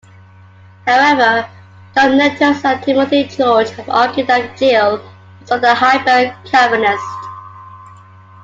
However, Tom Nettles and Timothy George have argued that Gill was not a hyper-Calvinist.